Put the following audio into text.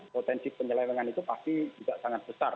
potensi penyelewengan itu pasti juga sangat besar